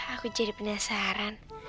aku jadi penasaran